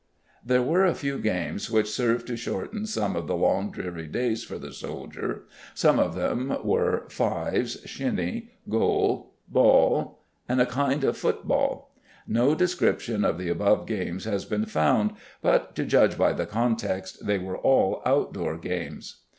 There were a few games which served to shorten some of the long dreary days for the soldier, some of them were; fives, shinny, goal, ball and a kind of football. No description of the above games has been found, but to judge by the context they were all outdoor games.